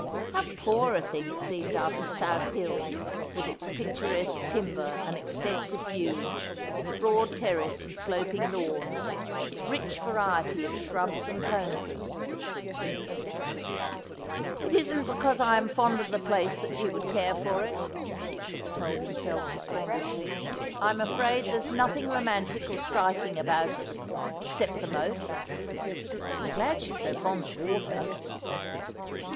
How poor a thing it seemed after South Hill, with its picturesque 'And to the Dinner faste They hem Spedde.' 139 timber and extensive view, its broad terrace and sloping lawn, its rich variety of shrubs and conifers !' It isn't because I am fond of the place that she would care for it,' he told himself despondently. ' I'm afraid there's nothing romantic or striking about it — except the moat. I'm glad she's so fond of water.'